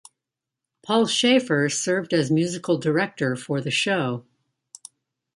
Paul Shaffer served as musical director for the show.